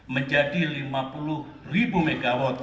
menjadi lima puluh mw